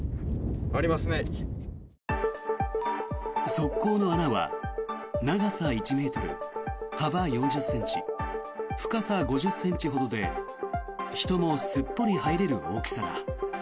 側溝の穴は長さ１ｍ幅４０ｃｍ、深さ５０ｃｍほどで人もすっぽり入れる大きさだ。